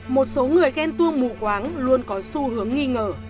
một số người ghen tuông mù quáng luôn có xu hướng nghi ngờ